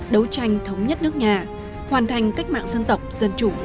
đấu tranh thống nhất nước nhà hoàn thành cách mạng dân tộc dân chủ